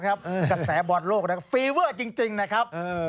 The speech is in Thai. กระแสบอลโลกฟีเวอร์จริงนะครับ